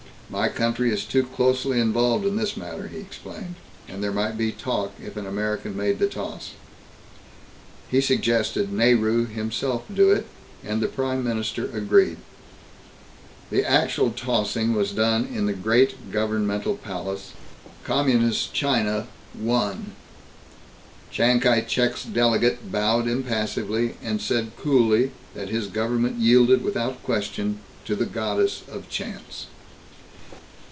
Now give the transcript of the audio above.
"My country is too closely involved in this matter," he explained, "and there might be talk if an American made the toss." He suggested Nehru himself do it, and the Prime Minister agreed. The actual tossing was done in the great governmental palace, and Communist China won. Chiang Kai Shek's delegate bowed impassively and said coolly that his government yielded without question to the goddess of chance.